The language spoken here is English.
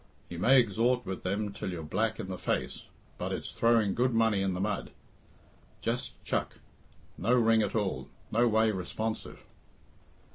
You may exhort with them till you're black in the face, but it's throwing good money in the mud. Just chuck! No ring at all; no way responsive!"